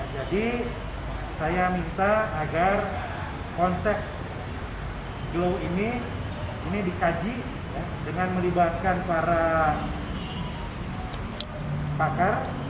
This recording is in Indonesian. jadi saya minta agar konsep glow ini dikaji dengan melibatkan para pakar